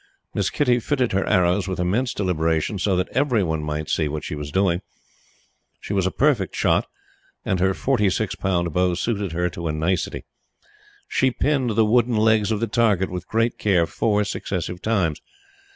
Miss Kitty fitted her arrows with immense deliberation, so that every one might see what she was doing. She was a perfect shot; and her 46 pound bow suited her to a nicety. She pinned the wooden legs of the target with great care four successive times.